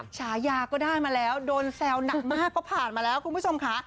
ฉายาก็ได้มาแล้วโดนแซวหนักมากก็ผ่านมาแล้วคุณผู้ชมค่ะ